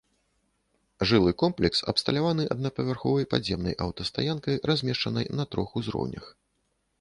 Жылы комплекс абсталяваны аднапавярховай падземнай аўтастаянкай, размешчанай на трох узроўнях.